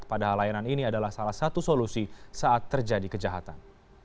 padahal layanan ini adalah salah satu solusi saat terjadi kejahatan